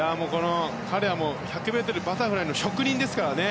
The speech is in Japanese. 彼は１００ｍバタフライの職人ですからね。